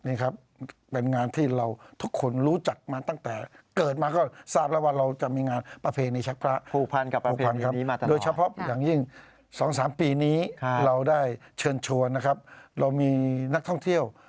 นึงเดือนไหวไหมคะสุราธารณี